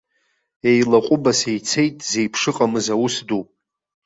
Еилаҟәыбаса ицеит зеиԥш ыҟамыз аус ду!